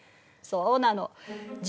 そうなの。